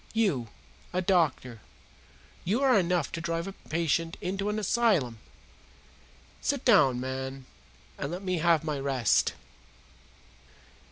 You, a doctor you are enough to drive a patient into an asylum. Sit down, man, and let me have my rest!"